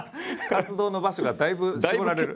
活動の場所がだいぶ絞られる。